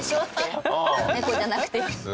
猫じゃなくて。